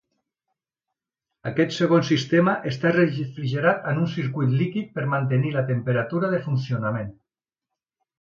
Aquest segon sistema està refrigerat amb un circuit líquid per mantenir la temperatura de funcionament.